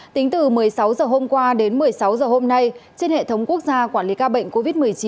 tính từ một mươi sáu h hôm qua đến một mươi sáu h hôm nay trên hệ thống quốc gia quản lý ca bệnh covid một mươi chín